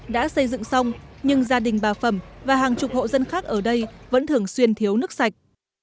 đã xây dựng xong nhưng gia đình bà phẩm và hàng chục hộ dân khác ở đây vẫn thường xuyên thiếu nước sạch